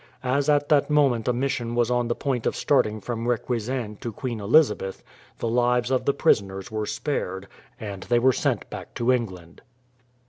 As at that moment a mission was on the point of starting from Requesens to Queen Elizabeth, the lives of the prisoners were spared, and they were sent back to England.